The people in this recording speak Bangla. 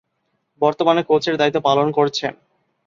বর্তমানে কোচের দায়িত্ব পালন করছেন।